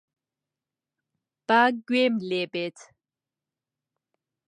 با گوێم لێ بێت.